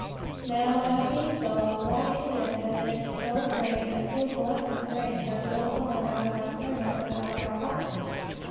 Now, that being so, why is it that this so great and so blessed grace has so fallen out of our sermons and out of our hearts?